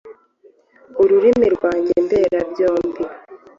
ururimi rwanjye mberabyombi